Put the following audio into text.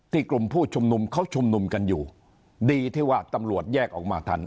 กลุ่มผู้ชุมนุมเขาชุมนุมกันอยู่ดีที่ว่าตำรวจแยกออกมาทัน